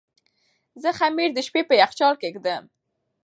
زه خمیر د شپې په یخچال کې ږدم.